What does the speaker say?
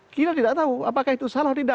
kita tidak tahu apakah itu salah tidak